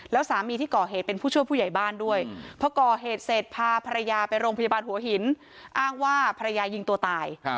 แล้วสามีที่ก่อเหตุเป็นผู้ช่วยผู้ใหญ่บ้านด้วยพอก่อเหตุเสร็จพาภรรยาไปโรงพยาบาลหัวหินอ้างว่าภรรยายิงตัวตาย